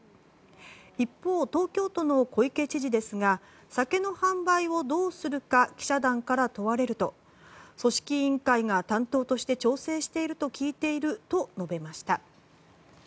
一方、東京都の小池知事ですが酒の販売をどうするか記者団から問われると組織委員会が担当として調整していると聞いていると述べました。